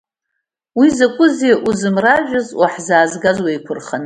Уи закәызеи узымражәыз, уаҳзаазгаз уеиқәырханы…